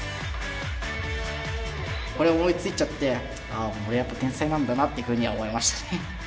これ思いついちゃってオレやっぱ天才なんだなっていうふうには思いましたね。